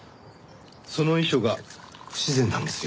その遺書が不自然なんですよ。